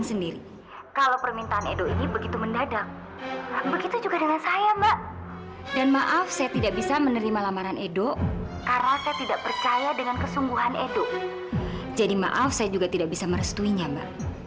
sampai jumpa di video selanjutnya